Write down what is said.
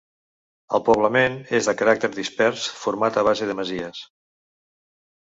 El poblament és de caràcter dispers, format a base de masies.